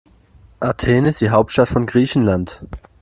Athen ist die Hauptstadt von Griechenland.